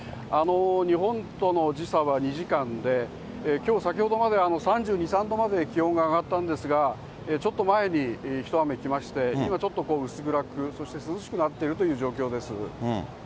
日本との時差は２時間で、きょう先ほどまで３２、３度まで気温が上がったんですが、ちょっと前に一雨きまして、今ちょっと、薄暗く、そして涼しくなっているという状況です。